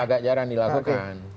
agak jarang dilakukan